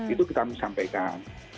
itu kita sampaikan